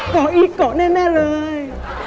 เกาะอีเกาะแน่เลย